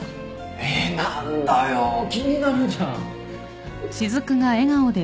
え何だよ気になるじゃん。